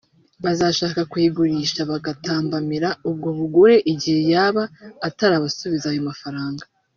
yazashaka kuyigurisha bagatambamira ubwo bugure igihe yaba atarabasubiza ayo amafaranga